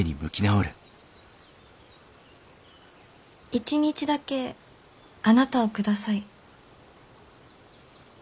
１日だけあなたをください。